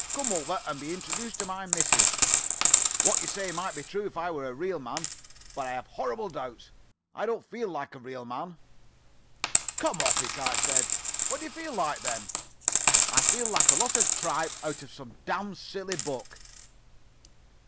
Come over and be introduced to my missus.' "'What you say might be true if I were a real man, but I have horrible doubts. I don't feel like a real man.' "'Come off it,' I said. 'What do you feel like, then?' "'I feel like a lot of tripe out of some damn silly book.